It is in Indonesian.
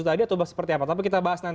tadi atau seperti apa tapi kita bahas nanti